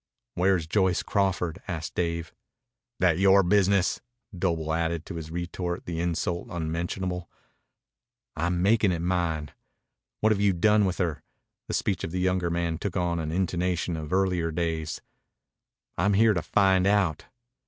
"Where's Joyce Crawford?" asked Dave. "That yore business?" Doble added to his retort the insult unmentionable. "I'm makin' it mine. What have you done with her?" The speech of the younger man took on again the intonation of earlier days. "I'm here to find out."